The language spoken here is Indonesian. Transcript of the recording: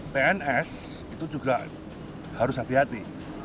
pns itu juga harus hati hati